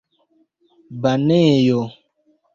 banejo